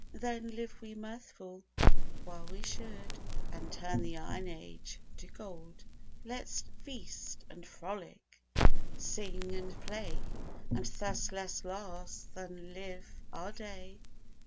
Then live we mirthful while we should, And turn the iron age to gold; Let's feast and frolic, sing and play, And thus less last, than live our day.